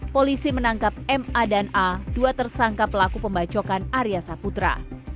polisi menangkap ma dan a dua tersangka pelaku pembacokan arya saputra